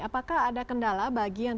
apakah ada kendala bagi yang